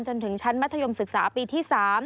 จนถึงชั้นมัธยมศึกษาปีที่๓